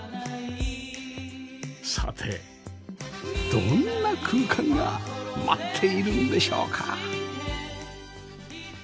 さてどんな空間が待っているんでしょうか？